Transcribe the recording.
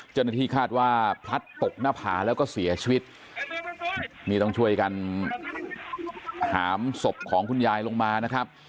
เจ้าหน้าที่คาดว่าพลัดตกหน้าผาแล้วก็เสียชีวิตนี่ต้องช่วยกันหามศพของคุณยายลงมานะครับ